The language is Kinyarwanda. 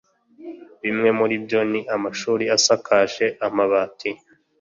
Bimwe muri byo ni amashuri asakaje amabati